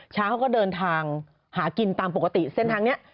ช้างเขาก็เดินทางหากินตามปกติเส้นทางนี้